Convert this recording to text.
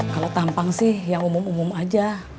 kalau tampang sih yang umum umum aja